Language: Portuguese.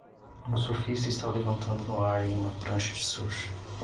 Um surfista está levantando no ar em uma prancha de surf.